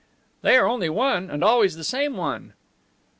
"They are only one, and always the same one."